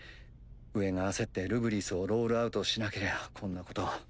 上が焦ってルブリスをロールアウトしなけりゃこんなこと。